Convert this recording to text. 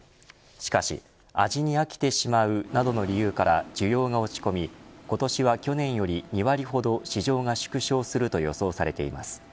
しかし、味に飽きてしまうなどの理由から需要が落ち込み今年は去年より２割ほど市場が縮小すると予想されています。